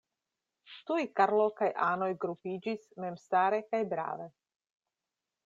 Tuj Karlo kaj anoj grupiĝis, memstare kaj brave.